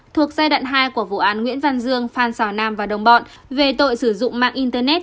thuộc giai đoạn hai của vụ án nguyễn văn dương phan xào nam và đồng bọn về tội sử dụng mạng internet